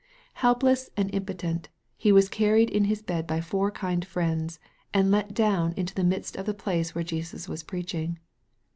Help less and impotent, he was carried in his bed by four kind friends, and let down into the midst of the place where Jesus was preaching.